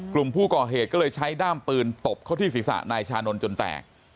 กลุ่มผู้ก่อเหตุก็เลยใช้ด้ามปืนตบเขาที่ศีรษะนายชานนท์จนแตก